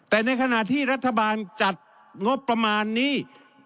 แต่ในขณะที่รัฐบาลจัดงบประมาณนี้